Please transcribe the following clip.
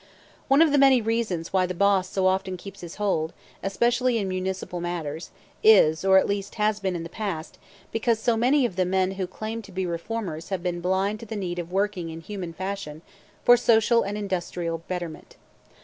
One of the reasons why the boss so often keeps his hold, especially in municipal matters, is, or at least has been in the past, because so many of the men who claim to be reformers have been blind to the need of working in human fashion for social and industrial betterment.